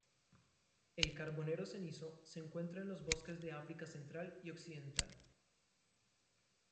El carbonero cenizo se encuentra en los bosques del África Central y Occidental.